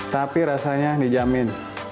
tapi rasanya dijamin